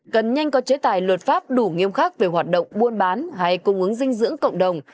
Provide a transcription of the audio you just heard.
cần nhanh có chế tài luật pháp đủ nghiêm khắc về hoạt động buôn bán hay cung ứng dinh dưỡng cộng đồng